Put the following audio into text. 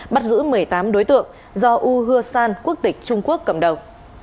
bắt giữ một mươi tám đối tượng do u hua san quốc tịch trung quốc cầm đầu